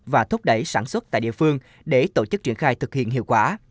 và thúc đẩy sản xuất tại địa phương để tổ chức triển khai thực hiện hiệu quả